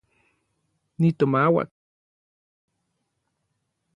Nitomauak.